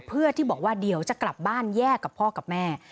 เพื่อที่บอกว่าเดี๋ยวจะกลับบ้านแยกกับพ่อกับแม่